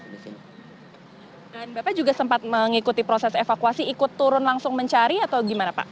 dan bapak juga sempat mengikuti proses evakuasi ikut turun langsung mencari atau gimana pak